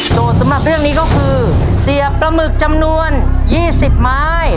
สำหรับเรื่องนี้ก็คือเสียบปลาหมึกจำนวน๒๐ไม้